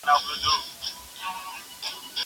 زه اوږده وخت کتابتوننۍ سره تېرووم!؟